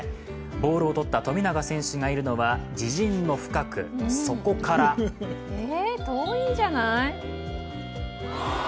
ボールを取った富永選手がいるのは自陣の深く。え、遠いんじゃない？